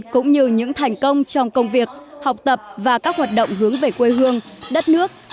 cũng như những thành công trong công việc học tập và các hoạt động hướng về quê hương đất nước